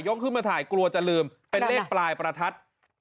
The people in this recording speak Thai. ขึ้นมาถ่ายกลัวจะลืมเป็นเลขปลายประทัด